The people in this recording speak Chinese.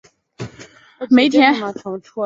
珙县芙蓉矿区是四川省重要的煤田。